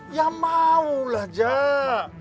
ya maulah jak